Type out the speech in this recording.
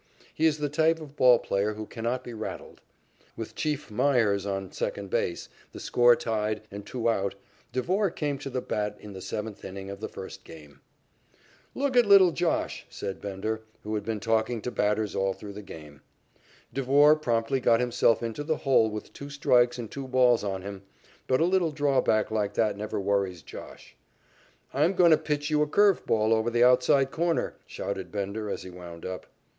He is the type of ball player who cannot be rattled. With "Chief" Myers on second base, the score tied, and two out, Devore came to the bat in the seventh inning of the first game. "Look at little 'Josh,'" said Bender, who had been talking to batters all through the game. Devore promptly got himself into the hole with two strikes and two balls on him, but a little drawback like that never worries "Josh." "I'm going to pitch you a curved ball over the outside corner," shouted Bender as he wound up.